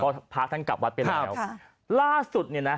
เพราะพระท่านกลับวัดเป็นไงครับค่ะล่าสุดเนี้ยน่ะ